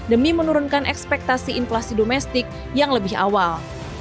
demi menurunkan ekspektasi inflasi domestik yang lebih awal